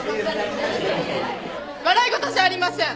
笑い事じゃありません！